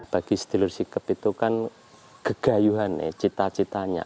bagi sedulur sikep itu kan kegayuhan cita citanya